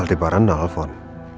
al tibaran dah nelfon